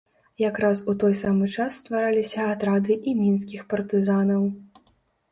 Якраз у той самы час ствараліся атрады і мінскіх партызанаў.